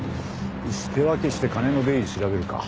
よし手分けして金の出入り調べるか。